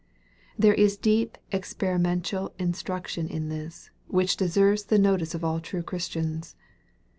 There is deep experimental instruction in this, which deserves the notice of all true Christians.